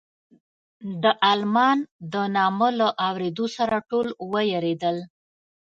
د المان د نامه له اورېدو سره ټول وېرېدل.